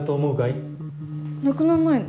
なくなんないの？